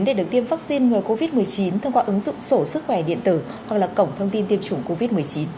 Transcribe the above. để được tiêm vaccine ngừa covid một mươi chín thông qua ứng dụng sổ sức khỏe điện tử hoặc là cổng thông tin tiêm chủng covid một mươi chín